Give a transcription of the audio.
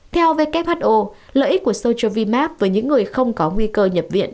theo who lợi ích của sojovimab với những người không có nguy cơ nhập viện